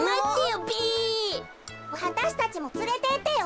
わたしたちもつれてってよ。